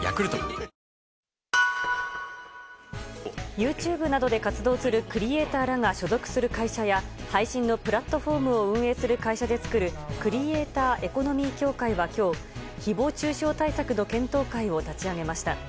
ＹｏｕＴｕｂｅなどで活動するクリエーターらが所属する会社や配信のプラットフォームを運営する会社で作るクリエイターエコノミー協会は今日、誹謗中傷対策の検討会を立ち上げました。